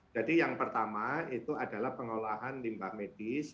jadi yang pertama itu adalah pengolahan limbah medis